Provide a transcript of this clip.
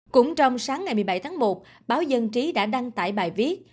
cũng trong sáng ngày một mươi bảy tháng một báo dân trí đã đăng tải bài viết